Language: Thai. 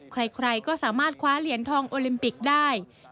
ใครก็สามารถคว้าเหรียญทองโอลิมปิกได้